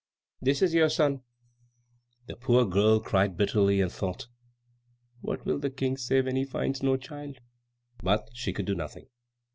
this is your son!" The poor girl cried bitterly, and thought, "What will the King say when he finds no child?" But she could do nothing.